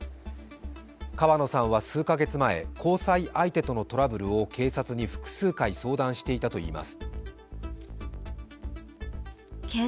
川野さんは数か月前交際相手とのトラブルを警察に複数回相談していたといいます。